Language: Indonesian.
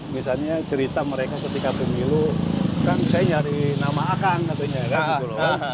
misalnya cerita mereka ketika pemilu kan saya nyari nama akang katanya kan gitu loh